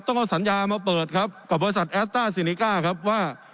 ต้องเอาสัญญามาเปิดครับกับบริษัทแอสต้าซีเนก้าครับว่า